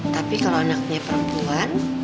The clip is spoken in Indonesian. tapi kalau anaknya perempuan